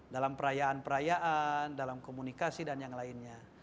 dalam perayaan perayaan dalam komunikasi dan yang lainnya